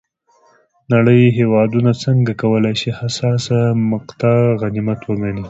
نړۍ هېوادونه څنګه کولای شي حساسه مقطعه غنیمت وګڼي.